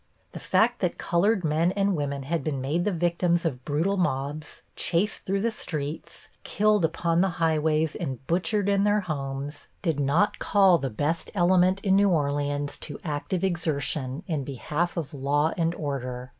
The fact that colored men and women had been made the victims of brutal mobs, chased through the streets, killed upon the highways and butchered in their homes, did not call the best element in New Orleans to active exertion in behalf of law and order.